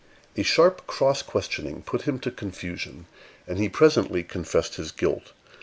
A sharp cross questioning put him to confusion, and he presently confessed his guilt.